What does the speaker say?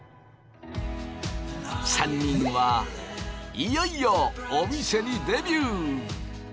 ３人はいよいよお店にデビュー。